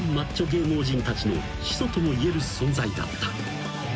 芸能人たちの始祖ともいえる存在だった］